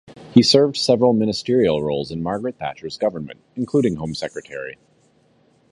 He served several ministerial roles in Margaret Thatcher's government, including Home Secretary.